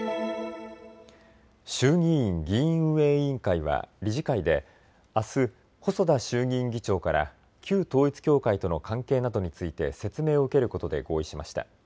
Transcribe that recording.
衆議院議院運営委員会は理事会であす細田衆議院議長から旧統一教会との関係などについて説明を受けることで合意しました。